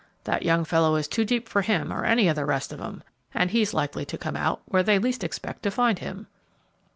That young fellow is too deep for him or any of the rest of 'em, and he's likely to come out where they least expect to find him."